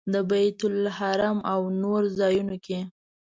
د بیت الله حرم او نورو ځایونو کې.